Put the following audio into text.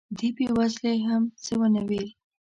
دې بې وزلې هم څه ونه ویل.